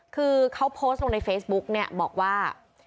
คือเขาโพสต์ลงในเฟซบุ๊กเนี่ยบอกว่า